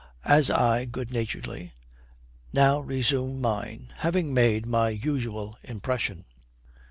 'As I,' good naturedly, 'now resume mine, having made my usual impression.'